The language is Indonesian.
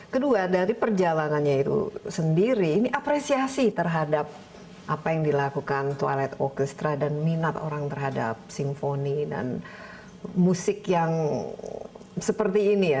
kedua dari perjalanannya itu sendiri ini apresiasi terhadap apa yang dilakukan toilet orchestra dan minat orang terhadap simfoni dan musik yang seperti ini ya